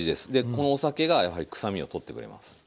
このお酒がやはり臭みを取ってくれます。